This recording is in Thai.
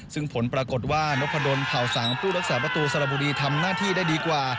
ซึ่งผลปรากฏว่านพดลเผาสังผู้รักษาประตูสระบุรีทำหน้าที่ได้ดีกว่า